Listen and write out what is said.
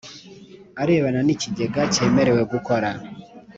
arebana n ikigega cyemerewe gukora